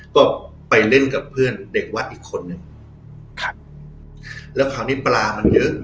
ก็ไปเล่นกับเพื่อนเด็กวัดอีกคนนึงครับแล้วคราวนี้ปลามันเยอะ